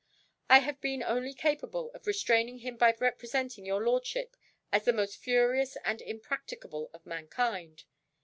I have been only capable of restraining him by representing your lordship as the most furious and impracticable of mankind.